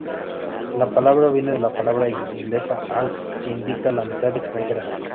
La palabra viene de la palabra inglesa "half" que indica la mitad extranjera.